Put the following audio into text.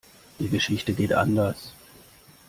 Die Geschichte geht anders.